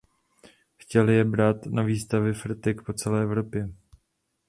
Chtěli je brát na výstavy fretek po celé Evropě.